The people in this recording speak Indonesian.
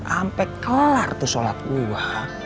sampai kelar tuh sholat muha